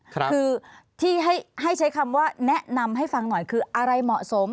คือที่ให้ใช้คำว่าแนะนำให้ฟังหน่อยคืออะไรเหมาะสม